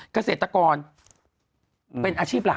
เกษตรกรเป็นอาชีพหลัก